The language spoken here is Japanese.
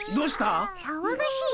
さわがしいの。